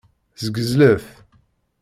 Ssgezlet.